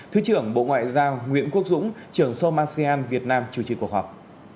thứ trưởng bộ ngoại giao nguyễn quốc dũng trưởng som asean việt nam chủ trì cuộc họp